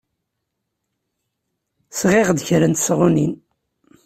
Sɣiɣ-d kra n tesɣunin.